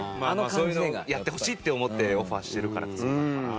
そういうのをやってほしいって思ってオファーしてるから。